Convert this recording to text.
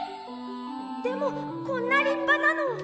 でもこんなりっぱなの。